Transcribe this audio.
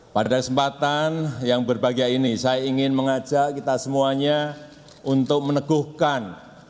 pada kesempatan yang berbahagia ini saya ingin mengajak kita semuanya untuk meneguhkan